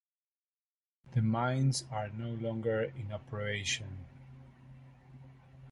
The mines are no longer in operation.